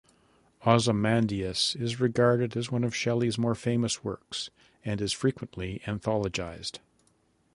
"Ozymandias" is regarded as one of Shelley's more famous works and is frequently anthologised.